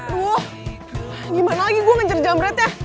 aduh gimana lagi gue ngejar jamretnya